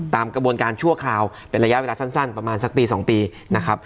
ตามกระบวนการชั่วคราวเป็นระยะเวลาสั้นประมาณสักปี๒ปีนะครับ